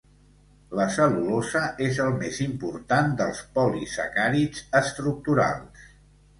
La cel·lulosa és el més important dels polisacàrids estructurals.